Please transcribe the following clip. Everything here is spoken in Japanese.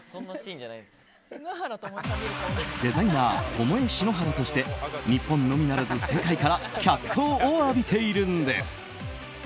デザイナー、ＴＯＭＯＥＳＨＩＮＯＨＡＲＡとして日本のみならず世界から脚光を浴びているんです。